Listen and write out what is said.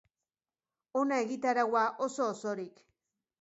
Hona egitaraua, oso-osorik.